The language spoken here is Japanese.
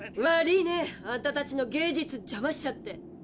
悪いねあんたたちの芸術じゃましちゃって。